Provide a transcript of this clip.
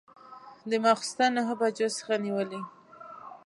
د ماخوستن نهه بجو څخه نیولې.